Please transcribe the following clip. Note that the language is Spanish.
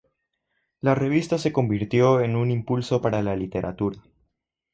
La revista se convirtió en un impulso para la literatura.